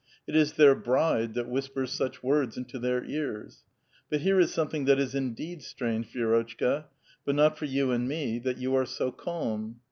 It is their "bride" that whispers such words into their ears. But here is something that is indeed strange, Vierotehka, — but not for you and me, — that you are so calm.